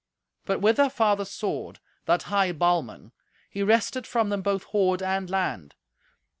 But with their father's sword, that hight Balmung, he wrested from them both hoard and land.